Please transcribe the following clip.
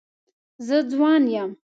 زه ځوان یم.